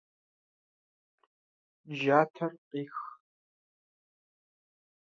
Архип осип, Осип охрип.